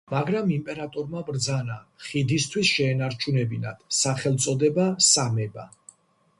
მაგრამ იმპერატორმა ბრძანა ხიდისთვის შეენარჩუნებინათ სახელწოდება სამება.